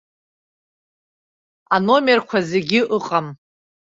Аномерқәа зегьы ыҟам.